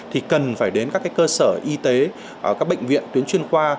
thì cần phải đến các cái cơ sở y tế các bệnh viện tuyến chuyên khoa